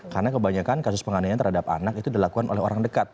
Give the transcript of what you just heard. karena kebanyakan kasus pengandainya terhadap anak itu dilakukan oleh orang dekat